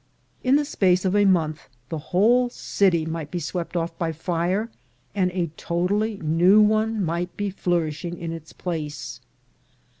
In the space of a month the whole city might be swept off by fire, and a totally new one might be flourishing in its place.